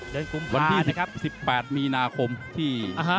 เดินกลุ่มผ่านนะครับวันที่สิบแปดมีนาคมที่อ่า